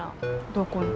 どこに？